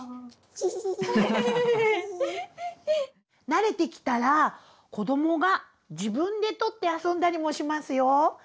慣れてきたら子どもが自分でとって遊んだりもしますよ！